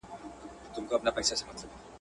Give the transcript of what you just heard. په سره ټاکنده غرمه کي.